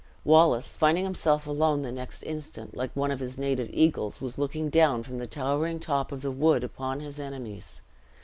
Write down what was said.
Wallace, finding himself alone, the next instant, like one of his native eagles, was looking down from the towering top of the wood upon his enemies.